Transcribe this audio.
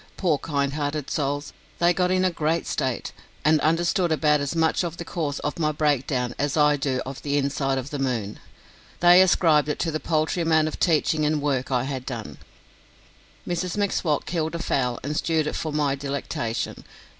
Poor kind hearted souls, they got in a great state, and understood about as much of the cause of my breakdown as I do of the inside of the moon. They ascribed it to the paltry amount of teaching and work I had done. Mrs M'Swat killed a fowl and stewed it for my delectation.